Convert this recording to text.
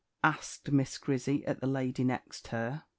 asked Miss Grizzy at the lady next her.